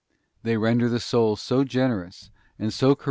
They render the soul so generous and so courageous VOL.